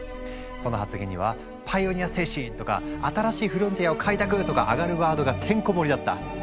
その発言には「パイオニア精神」とか「新しいフロンティアを開拓」とかアガるワードがてんこもりだった。